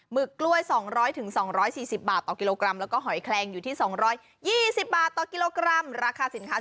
หมึกกล้วยสองร้อยถึงสองร้อยสี่สิบบาทต่อกิโลกรัมแล้วก็หอยแคลงอยู่ที่สองร้อยยี่สิบบาทต่อกิโลกรัมราคาสินค้า